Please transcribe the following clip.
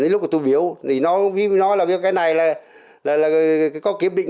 lúc đó tôi biểu nói là cái này là có kiểm định